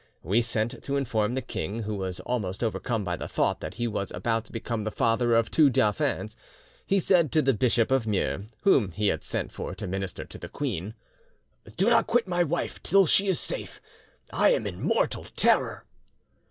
We sent to inform the king, who was almost overcome by the thought that he was about to become the father of two dauphins. He said to the Bishop of Meaux, whom he had sent for to minister to the queen, "Do not quit my wife till she is safe; I am in mortal terror."